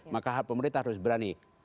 maka pemerintah harus berani